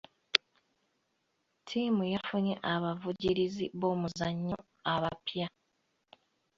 Ttiimu yafunye abavujjirizi b'omuzannyo abapya.